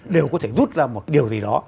đều có thể rút ra một điều gì đó